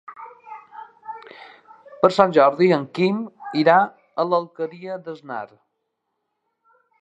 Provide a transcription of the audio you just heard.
Per Sant Jordi en Quim irà a l'Alqueria d'Asnar.